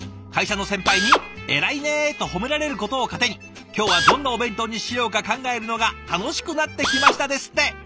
「会社の先輩に『偉いね』と褒められることを糧に今日はどんなお弁当にしようか考えるのが楽しくなってきました」ですって。